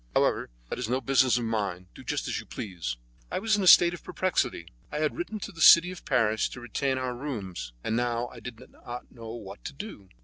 However, that is no business of mine. Do just as you please." I was in a state of perplexity. I had written to the City of Paris to retain our rooms, and now I did not know what to do.